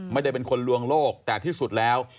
ไม่ได้เป็นคนลวงโลกแต่ที่สุดแล้ว